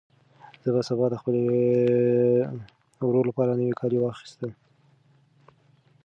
زه به سبا د خپل ورور لپاره نوي کالي واخیستل.